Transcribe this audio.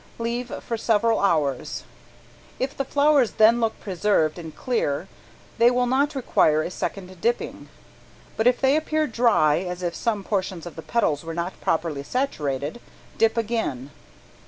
Leave for several hours. If the flowers then look preserved and clear they will not require a second dipping, but if they appear dry as if some portions of the petals were not properly saturated, dip again.